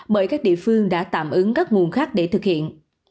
bởi các địa phương đã tạm ứng các nguồn khác để thực hiện